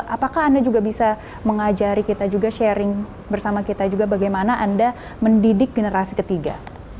apakah anda juga bisa mengajari kita juga sharing bersama kita juga bagaimana anda mendidik generasi ketiga